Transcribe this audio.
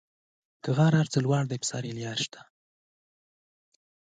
که غر څومره لوړ دی پر سر یې لار شته